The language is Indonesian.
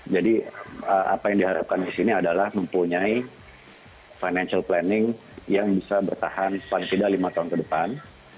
jadi apa yang diharapkan di sini adalah mempunyai financial planning yang bisa bertahan paling tidak lima tahun ke depan